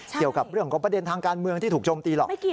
เกี่ยวกับเรื่องของประเด็นทางการเมืองที่ถูกโจมตีหรอก